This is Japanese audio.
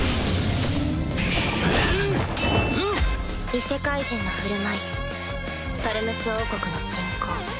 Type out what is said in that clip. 異世界人の振る舞いファルムス王国の侵攻。